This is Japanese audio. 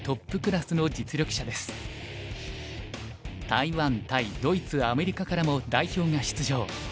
台湾タイドイツアメリカからも代表が出場。